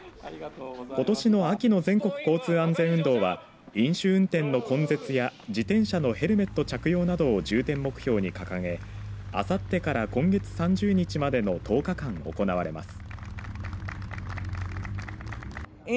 ことしの秋の全国交通安全運動は飲酒運転の根絶や自転車のヘルメット着用などを重点目標に掲げあさってから今月３０日までの１０日間行われます。